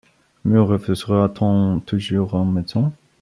Me refusera-t-on toujours un médecin?...